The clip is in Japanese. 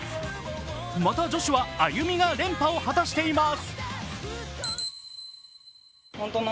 また、女子はＡＹＵＭＩが連覇を果たしています。